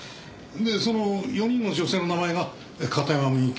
でその４人の女性の名前が片山みゆき